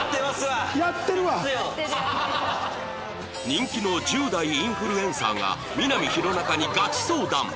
人気の１０代インフルエンサーがみな実弘中にガチ相談